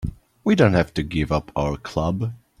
We don't have to give up our club.